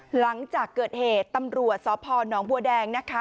หลังจากเกิดเหตุตำรวจสพนบัวแดงนะคะ